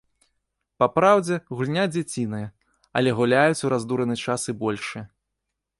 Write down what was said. Папраўдзе, гульня дзяціная, але гуляюць у раздураны час і большыя.